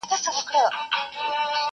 ارمان به وکړې وخت به تېر وي!.